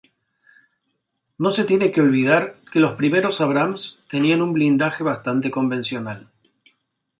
No se tiene que olvidar, que los primeros Abrams tenían un blindaje bastante convencional.